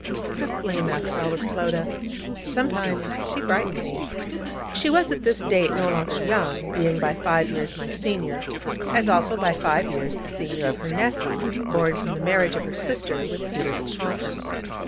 What a flame, after all, was Clodagh! Sometimes she frightened me. She was at this date no longer young, being by five years my senior, as also, by five years, the senior of her nephew, born from the marriage of her sister with Peters of Taunton.